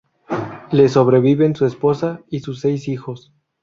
Le sobreviven su esposa y sus seis hijos.